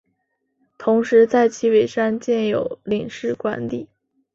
同时在旗尾山建有领事官邸。